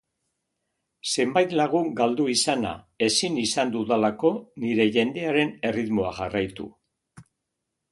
Zenbait lagun galdu izana, ezin izan dudalako nire jendearen erritmoa jarraitu.